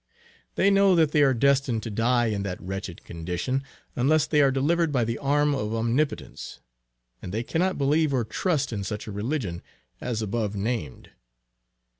They know that they are destined to die in that wretched condition, unless they are delivered by the arm of Omnipotence. And they cannot believe or trust in such a religion, as above named.